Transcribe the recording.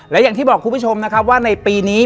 และอย่างที่บอกคุณผู้ชมนะครับว่าในปีนี้